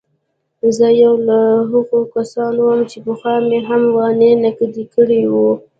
زه يو له هغو کسانو وم چې پخوا مې هم غني نقد کړی و.